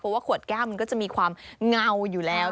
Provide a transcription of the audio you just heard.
เพราะว่าขวดแก้วมันก็จะมีความเงาอยู่แล้ว